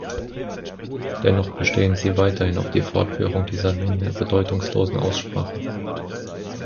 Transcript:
Dennoch bestehen Sie weiterhin auf die Fortführung dieser nunmehr bedeutungslosen Aussprache.